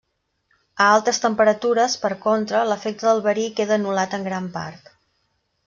A altes temperatures, per contra, l'efecte del verí queda anul·lat en gran part.